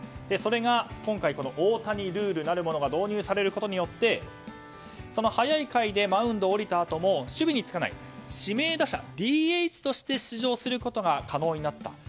それが、今回オオタニルールなるものが導入されることによって早い回でマウンドを降りたあとも守備につかない指名打者ＤＨとして出場することが可能になった。